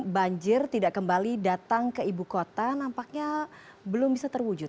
banjir tidak kembali datang ke ibu kota nampaknya belum bisa terwujud